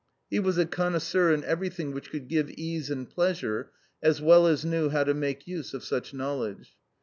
He was a connoisseur in everything which could give ease and pleasure, as well as knew how to make use of such knowledge.